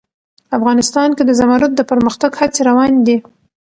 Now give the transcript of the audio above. افغانستان کې د زمرد د پرمختګ هڅې روانې دي.